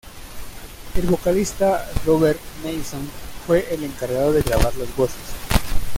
El vocalista Robert Mason fue el encargado de grabar las voces.